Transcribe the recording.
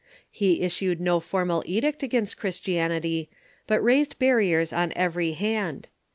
He issued no formal edict against Christianity, but raised barriers on every hand.